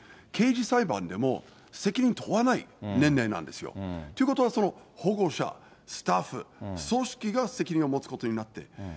刑事裁判でも責任問わない年齢なんですよ。ということは、その保護者、スタッフ、組織が責任を持つことになってる。